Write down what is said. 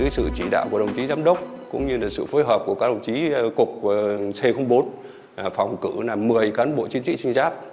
sự chỉ đạo của đồng chí giám đốc cũng như sự phối hợp của các đồng chí cục c bốn phòng cử một mươi cán bộ chính trị trinh sát